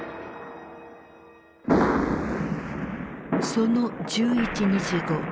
その１１日後。